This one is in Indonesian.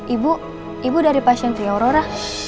ibu ibu dari pasien tri aurora